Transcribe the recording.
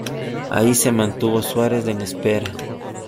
Allí se mantuvo Suárez, en espera.